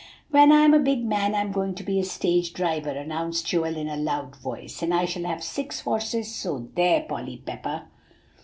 "When I'm a big man I'm going to be a stage driver," announced Joel in a loud voice, "and I shall have six horses; so there, Polly Pepper."